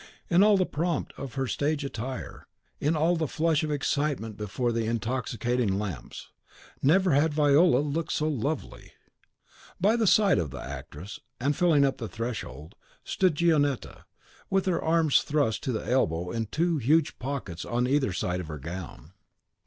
In all the pomp of her stage attire, in all the flush of excitement before the intoxicating lamps, never had Viola looked so lovely. By the side of the actress, and filling up the threshold, stood Gionetta, with her arms thrust to the elbow in two huge pockets on either side of her gown.